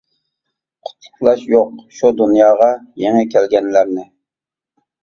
قۇتلۇقلاش يوق شۇ دۇنياغا يېڭى كەلگەنلەرنى.